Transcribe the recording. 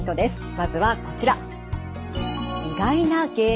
まずはこちら。